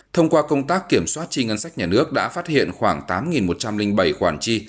thông qua công tác kiểm soát chi ngân sách nhà nước đã phát hiện khoảng tám một trăm linh bảy khoản chi